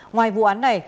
ngoài vụ án này